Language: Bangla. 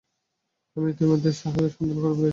আমি ইতোমধ্যে শাওহেইয়ের সন্ধান করে ফেলেছি।